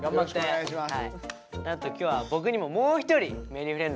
お願いします。